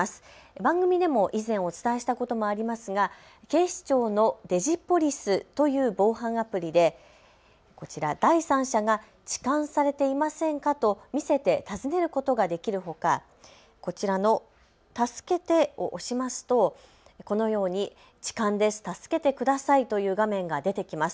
番組でも以前、お伝えしたことがありますが警視庁のデジポリスという防犯アプリで第三者がちかんされていませんか？と見せて尋ねることができるほか、こちらの助けてを押しますとこのように、痴漢です助けてくださいという画面が出てきます。